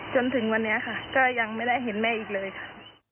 จนถึงวันนี้ค่ะก็ยังไม่ได้เห็นแม่อีกเลยค่ะ